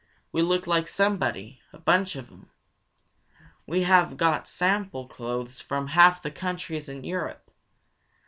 We look like somebody; a bunch of 'em! We have got sample clothes from half the countries in Europe.